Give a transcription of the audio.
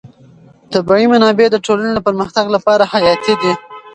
طبیعي منابع د ټولنې د پرمختګ لپاره حیاتي دي.